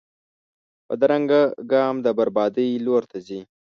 بدرنګه ګام د بربادۍ لور ته ځي